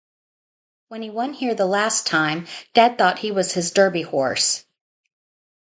When he won here the last time Dad thought he was his Derby horse.